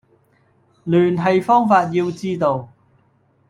聯繫方法要知道